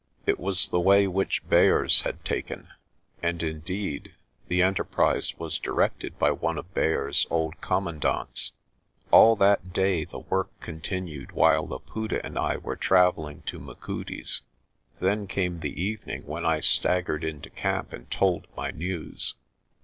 It was the way which Beyers had taken, and indeed the enterprise was directed by one of Beyers's old commandants. All that day the work continued while Laputa and I were travelling to Machudi's. Then came the evening when I staggered into camp and told my news.